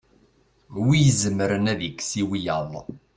wi izemren ad ikkes i wiyaḍ